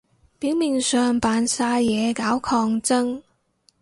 表面上扮晒嘢搞抗爭